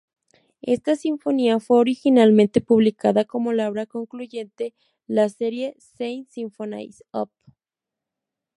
Esta sinfonía fue originalmente publicada como la obra concluyente la serie "Seis Sinfonías", op.